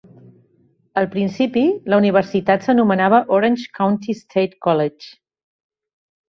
Al principi, la universitat s'anomenava Orange County State College.